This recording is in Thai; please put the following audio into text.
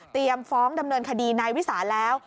ฟ้องดำเนินคดีนายวิสาแล้ว